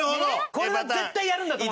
これは絶対やるんだと思う。